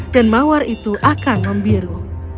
dan mawar itu akan membiru